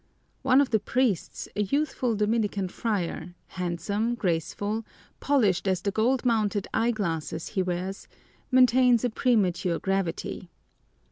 One of the priests, a youthful Dominican friar, handsome, graceful, polished as the gold mounted eyeglasses he wears, maintains a premature gravity.